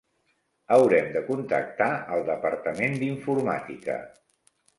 Haurem de contactar al departament d'Informàtica.